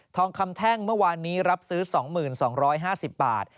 ทองคำแท่งเมื่อวานนี้รับซื้อ๒๒๕๐บาท